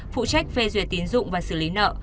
phụ trách phê duyệt tín dụng và xử lý nợ